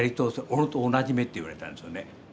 俺と同じ目」って言われたんですよね。